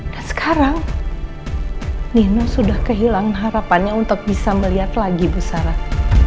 dan sekarang nino sudah kehilangan harapannya untuk bisa melihat lagi bu sarah